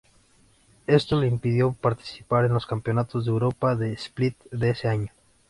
Esto le impidió participar en los campeonatos de Europa de Split de ese año.